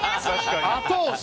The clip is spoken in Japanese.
後押し！